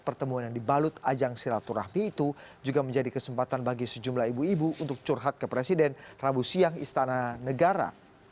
pertemuan yang dibalut ajang silaturahmi itu juga menjadi kesempatan bagi sejumlah ibu ibu untuk curhat ke presiden rabu siang istana negara